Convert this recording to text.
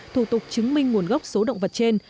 thủ tục chứng minh nguồn gốc số động vật trên